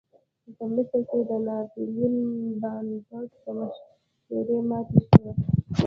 په مصر کې د ناپلیون بناپارټ په مشرۍ ماتې شوه.